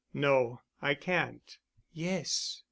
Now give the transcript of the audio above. "No. I can't." "Yes.